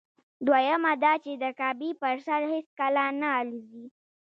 دویمه دا چې د کعبې پر سر هېڅکله نه الوزي.